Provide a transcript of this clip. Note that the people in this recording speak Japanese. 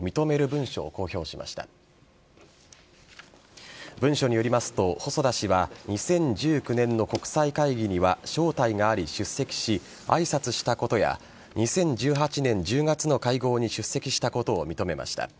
文書によりますと、細田氏は２０１９年の国際会議には招待があり出席し挨拶したことや２０１８年１０月の会合に出席したことを認めました。